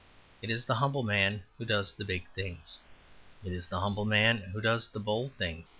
It is the humble man who does the big things. It is the humble man who does the bold things.